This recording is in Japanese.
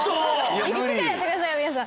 １からやってくださいよ皆さん。